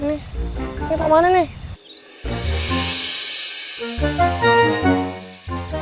ini kita kemana nih